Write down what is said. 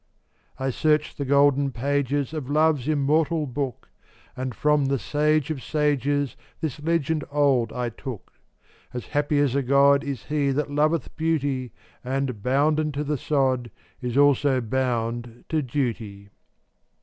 411 I searched the golden pages Of love's immortal book, And from the sage of sages This legend old I took: "As happy as a god Is he that loveth beauty, And, bounden to the sod, Is also bound to duty."